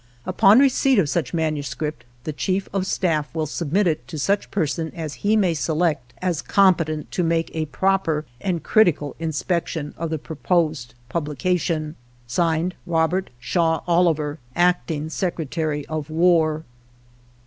Upon receipt of such manuscript the Chief of Staff will submit it to such person as he may select as competent to make a xviii INTRODUCTORY proper and critical inspection of the proposed pub lication. (Signed) Robert Shaw Oliver, Acting Secretary of War.